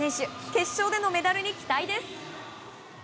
決勝でのメダルに期待です。